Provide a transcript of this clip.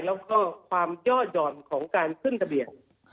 แล้วก็ความย่อหย่อนของการขึ้นทะเบียน